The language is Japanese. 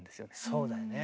そうだよね。